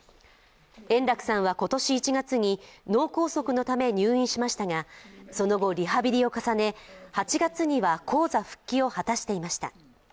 円楽さんは今年１月に脳梗塞のため入院しましたがその後リハビリを重ね８月には高座復帰を果たしていました。